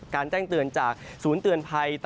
แจ้งเตือนจากศูนย์เตือนภัย